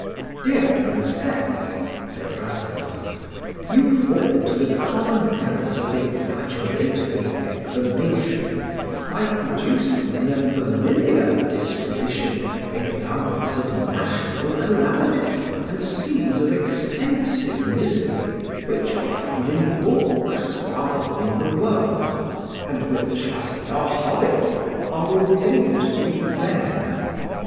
"DEAR Princess," said Rasselas, "you fall into the common errors of exaggeratory declamation, by producing in a familiar disquisition examples of national calamities and scenes of extensive misery which are found in books rather than in the world, and which, as they are horrid, are ordained to be rare.